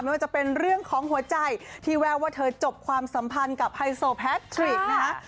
ไม่ว่าจะเป็นเรื่องของหัวใจที่แววว่าเธอจบความสัมพันธ์กับไฮโซแพทริกนะคะ